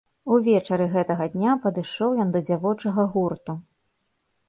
Увечары гэтага дня падышоў ён да дзявочага гурту.